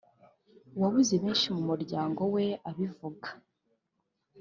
wabuze benshi mu muryango we abivuga